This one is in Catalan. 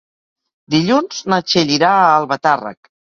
Dilluns na Txell irà a Albatàrrec.